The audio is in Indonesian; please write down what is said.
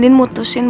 jangan parah aja ya